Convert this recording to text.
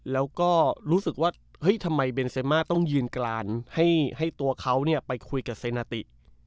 แล้วก็รู้สึกว่าเฮ้ยทำไมเบนเซมาต้องยืนกรานให้ตัวเขาไปคุยกับเซนาติ